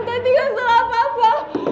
tanti gak salah apa apa